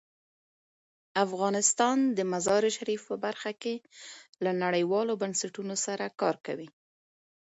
افغانستان د مزارشریف په برخه کې له نړیوالو بنسټونو سره کار کوي.